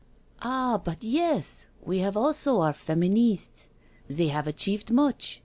*' Ah, but yes, we have also our Feministes — they have achieved much.